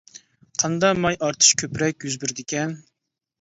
قاندا ماي ئارتىش كۆپرەك يۈز بېرىدىكەن.